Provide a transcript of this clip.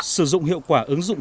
sử dụng hiệu quả ứng dụng